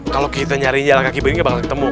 kalau kita nyari jalan kaki begini gak bakal ketemu